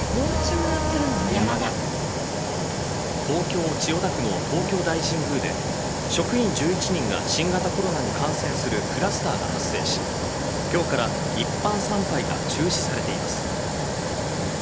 東京・千代田区の東京大神宮で職員１１人が新型コロナに感染するクラスターが発生し今日から一般参拝が中止されています。